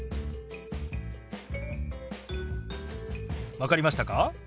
分かりましたか？